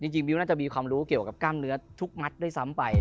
มิ้วน่าจะมีความรู้เกี่ยวกับกล้ามเนื้อทุกมัดด้วยซ้ำไป